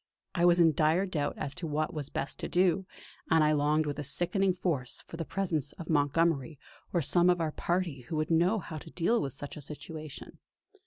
I was in dire doubt as to what was best to do; and I longed with a sickening force for the presence of Montgomery or some of our party who would know how to deal with such a situation.